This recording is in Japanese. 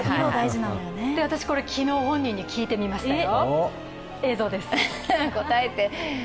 私これ、昨日本人に聞いてみましたよ。